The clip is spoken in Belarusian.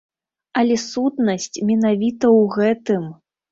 Але сутнасць менавіта ў гэтым.